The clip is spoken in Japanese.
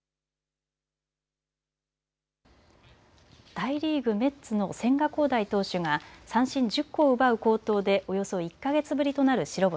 大リーグ、メッツの千賀滉大投手が三振１０個を奪う好投でおよそ１か月ぶりとなる白星。